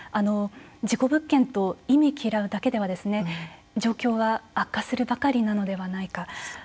事故物件と忌み嫌うだけでは状況は悪化するばかりなのではないか。